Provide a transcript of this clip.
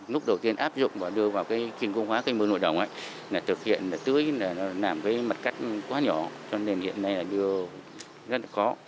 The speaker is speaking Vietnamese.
lúc đầu tiên áp dụng và đưa vào cái kiên cố phá cây mương nội đồng là thực hiện tưới là làm cái mặt cắt quá nhỏ cho nên hiện nay là đưa rất là khó